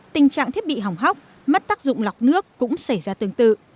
tình trạng thiết bị hỏng hóc mất tác dụng lọc nước cũng xảy ra tương tự